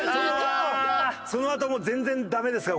そのあとも全然ダメですか？